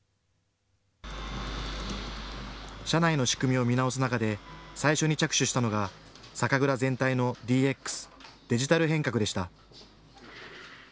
社内の仕組みを見直す中で最初に着手したのが酒蔵全体のＤＸ・デジタル変革でした。